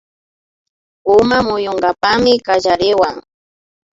Uma muyunkapakmi kallariwan